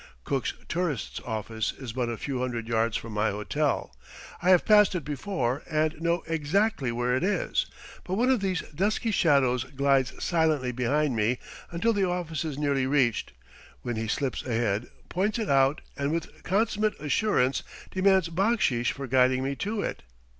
Cook's tourists' office is but a few hundred yards from my hotel. I have passed it before, and know exactly where it is, but one of these dusky shadows glides silently behind me, until the office is nearly reached, when he slips ahead, points it out, and with consummate assurance demands backsheesh for guiding me to it.